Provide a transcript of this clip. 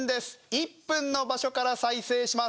１分の場所から再生します。